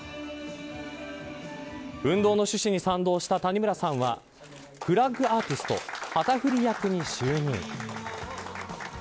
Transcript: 運動の趣旨に賛同した谷村さんはフラッグアーティスト＝旗振り役に就任。